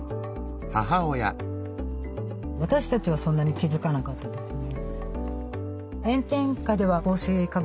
私たちはそんなに気付かなかったですね。